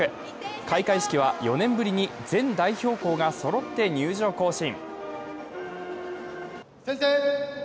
開会式は４年ぶりに全代表校がそろって入場行進。